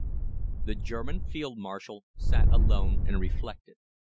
] The German Field Marshal sat alone and reflected.